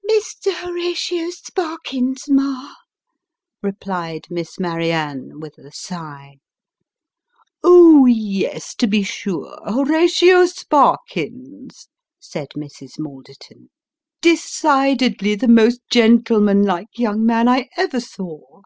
" Mr. Horatio Sparkins, ma," replied Miss Marianne, with a sigh. "Oh! yes, to be sure Horatio Sparkins," said Mrs. Maldertou. "Decidedly the most gentleman like young man I ever saw.